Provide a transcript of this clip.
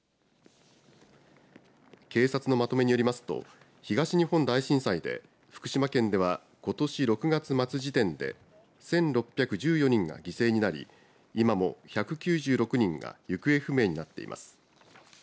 警察のまとめによりますと東日本大震災で福島県ではことし６月末時点で１６１４人が犠牲になり今も１９６人が行方不明になっています。